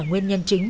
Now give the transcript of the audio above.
nguyên nhân chính